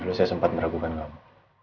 lalu saya sempat meragukan kamu